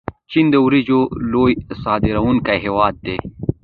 چین د وریجو لوی تولیدونکی هیواد دی.